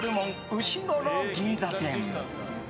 うしごろ銀座店。